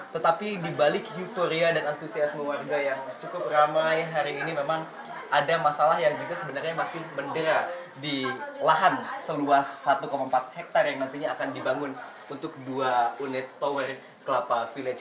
tetapi di balik euforia dan antusiasme warga yang cukup ramai hari ini memang ada masalah yang juga sebenarnya masih mendera di lahan seluas satu empat hektare yang nantinya akan dibangun untuk dua unit tower kelapa village